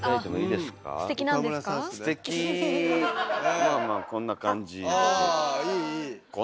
ステキまあまあこんな感じで。